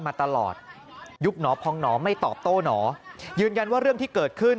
มาตลอดยุคหนอพองหนอไม่ตอบโต้หนอยืนยันว่าเรื่องที่เกิดขึ้น